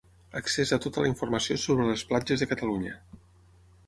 Accés a tota la informació sobre les platges de Catalunya.